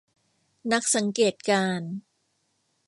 นักสังเกตการณ์